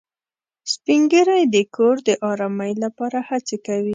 سپین ږیری د کور د ارامۍ لپاره هڅې کوي